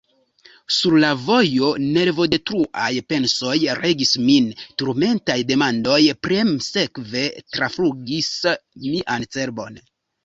Sur la vojo nervodetruaj pensoj regis min; turmentaj demandoj premsekve traflugis mian cerbon.